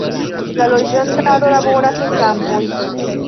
La loĝantaro laboras en la kampoj.